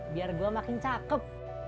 biar gue makin cakep